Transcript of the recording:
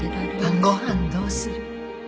晩ご飯どうする？